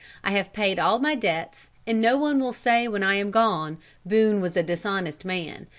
I have paid all my debts, and no one will say when I am gone, 'Boone was a dishonest man.'